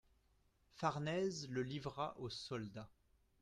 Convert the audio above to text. Farnèse le livra aux soldats.